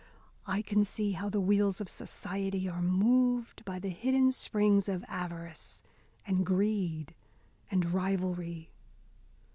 I can see how the wheels of society are moved by the hidden springs of avarice and greed and rivalry.